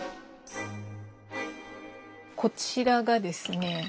こちらがですね